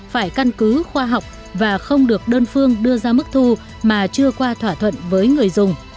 phải căn cứ khoa học và không được đơn phương đưa ra mức thu mà chưa qua thỏa thuận với người dùng